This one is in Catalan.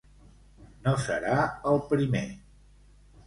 No serà el primer.